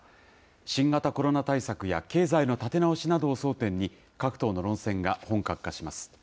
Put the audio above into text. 新型コロナ対策や、経済の立て直しなどを争点に、各党の論戦が本格化します。